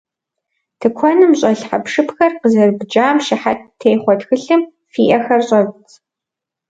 Тыкуэным щӏэлъ хьэпшыпхэр къызэрыдбжам щыхьэт техъуэ тхылъым фи ӏэхэр щӏэвдз.